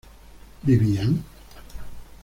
¿vivían?